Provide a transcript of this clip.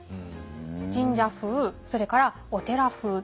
神社風それからお寺風。